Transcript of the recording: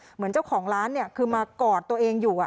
เหมือนเจ้าของร้านคือมากอดตัวเองอยู่